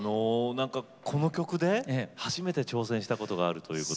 この曲で初めて挑戦したことがあるということで。